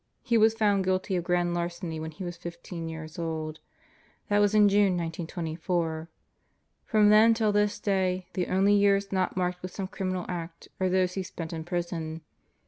He Was found guilty of grand larceny when he was fifteen years old. That was in June, 1924. From then till this day, the only years not marked with some criminal act are those he spent in prison.